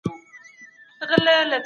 دا ژوند د هیلو یوه بې پایه کیسه ده.